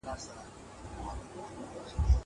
زه کولای سم سندري واورم!!